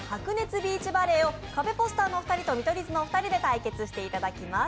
ビーチバレー」をカベポスターのお二人と見取り図のお二人で対決していただきます。